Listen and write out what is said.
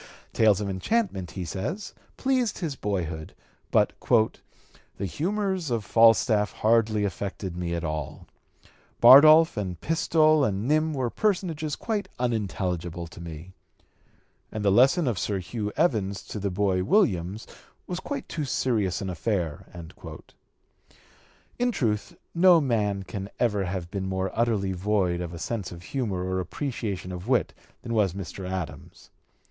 Tales of enchantment, he says, pleased his boyhood, but "the humors of Falstaff hardly affected me at all. Bardolph and Pistol and Nym were personages quite unintelligible to me; and the lesson of Sir Hugh Evans to the boy Williams was quite too serious an affair." In truth, no man can ever have been more utterly void of a sense of humor or an appreciation of wit than was Mr. Adams.